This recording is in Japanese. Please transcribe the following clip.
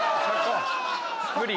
無理？